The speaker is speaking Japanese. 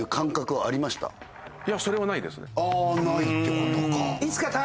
ないってことか。